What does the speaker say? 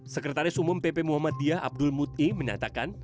sekretaris umum pp muhammad diyah abdul muti menatakan